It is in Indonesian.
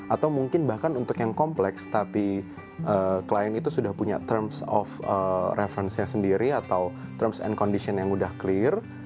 atau mungkin bahkan untuk yang kompleks tapi klien itu sudah punya terms of reference nya sendiri atau terms and condition yang udah clear